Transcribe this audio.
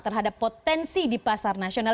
terhadap potensi di pasar nasional